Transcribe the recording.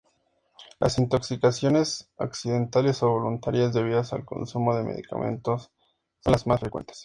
Las intoxicaciones accidentales o voluntarias debidas al consumo de medicamentos son las más frecuentes.